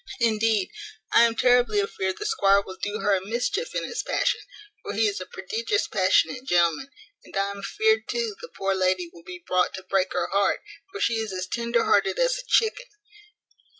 Indeed I am terribly afeared the squire will do her a mischief in his passion, for he is a prodigious passionate gentleman; and I am afeared too the poor lady will be brought to break her heart, for she is as tender hearted as a chicken.